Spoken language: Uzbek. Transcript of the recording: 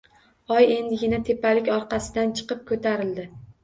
Oy endigina tepalik orqasidan chiqib ko’tarildi